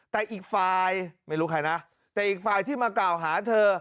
แต่อีกฝ่ายไม่รู้ใครนะแต่อีกฝ่ายที่มากล่าวหาเธอ